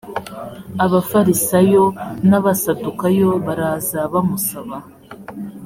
abafarisayo n abasadukayo baraza bamusaba